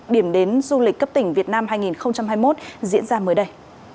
điểm đến du lịch cấp tỉnh việt nam hai nghìn hai mươi một diễn ra mới đây